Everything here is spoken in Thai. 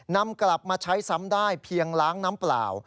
นำกลับมาใช้ซ้ำได้เพียงล้างน้ำเปล่า